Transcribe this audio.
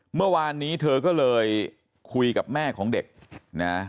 เมื่อวานนี้เธอก็เลยคุยกับแม่ของเด็กนะ